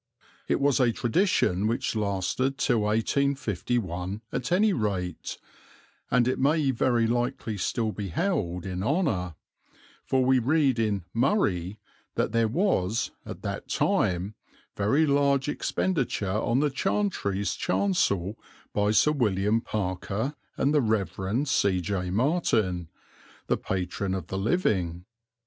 It was a tradition which lasted till 1851 at any rate, and it may very likely still be held in honour; for we read in "Murray" that there was, at that time, very large expenditure on the chantries chancel by Sir William Parker and the Rev. C. J. Martyn, the patron of the living.